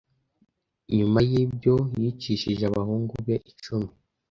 Nyuma y’ibyo yicishije abahungu be icumi